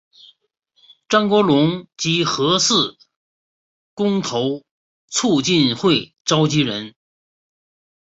张国龙及核四公投促进会召集人。